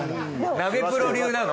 ナベプロ流なの？